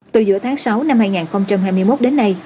từ giữa tháng sáu năm hai nghìn hai mươi một đến nay